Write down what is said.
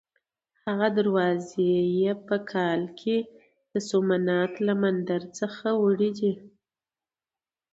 هغه دروازې یې په کال کې د سومنات له مندر څخه وړې دي.